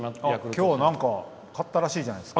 きょう勝ったらしいじゃないですか。